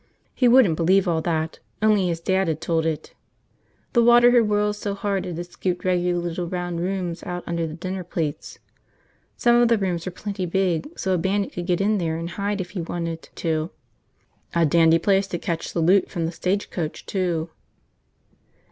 He wouldn't believe all that, only his dad had told it. The water had whirled so hard it had scooped regular little round rooms out under the dinner plates. Some of the rooms were plenty big so a bandit could get in there and hide if he wanted to. A dandy place to cache the loot from the stagecoach, too.